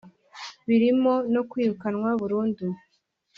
birimo no kwirukanwa burundu